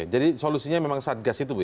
jadi solusinya memang satgas itu ya